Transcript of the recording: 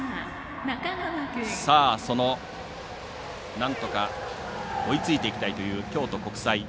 なんとか追いついていきたいという京都国際。